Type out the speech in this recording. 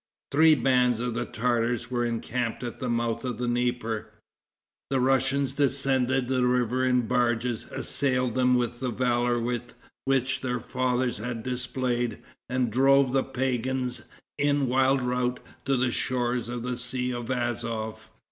Three bands of the Tartars were encamped at the mouth of the Dnieper. The Russians descended the river in barges, assailed them with the valor which their fathers had displayed, and drove the pagans, in wild rout, to the shores of the Sea of Azof.